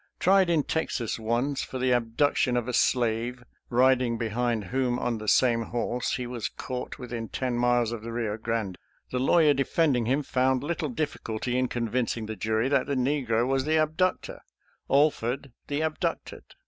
Tried in Texas once for the abduction of a slave, riding behind whom on the same horse he was caught within ten miles of the Eio Grande, the lawyer defending him found little difficulty in convincing the jury that the negro was the abductor, Alford the abducted.